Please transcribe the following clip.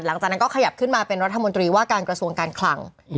หลังจากนั้นก็ขยับขึ้นมาเป็นรัฐมนตรีว่าการกระทรวงการคลัง